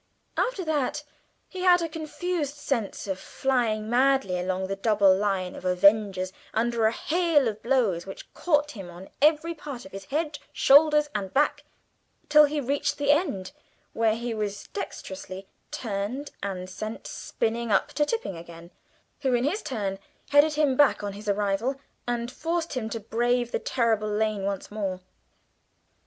After that he had a confused sense of flying madly along the double line of avengers under a hail of blows which caught him on every part of his head, shoulders, and back till he reached the end, where he was dexterously turned and sent spinning up to Tipping again, who in his turn headed him back on his arrival, and forced him to brave the terrible lane once more.